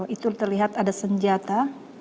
itu terlihat ada senjata